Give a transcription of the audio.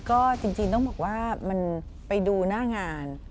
ก็จริงต้องบอกว่ามันไปดูหน้างาน